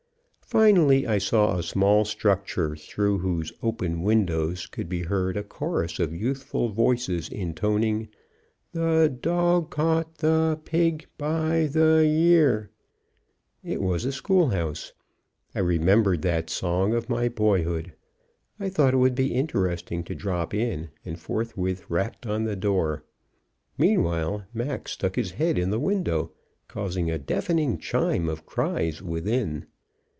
Finally I saw a small structure, through whose open windows could be heard a chorus of youthful voices intoning. "The dog caught the pig by the yer." It was a school house. I remembered that song of my boyhood; I thought it would be interesting to drop in, and forthwith rapped on the door. Meanwhile, Mac stuck his head in the window, causing a deafening chime of cries within.